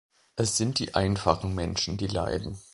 Es sind die einfachen Menschen, die leiden.